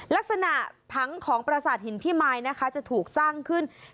ลักษณะผังของประสาทหินพิมายนะคะจะถูกสร้างขึ้น